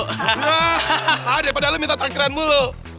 dari padahal lo minta tangkiran mulu